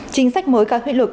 chính sách mới cao huyện lực